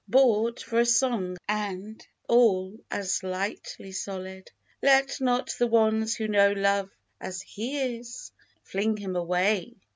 Bought for a song and all as lightly sold. Let not the ones who know Love as he is Fling him away